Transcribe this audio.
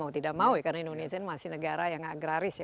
mau tidak mau ya karena indonesia ini masih negara yang agraris ya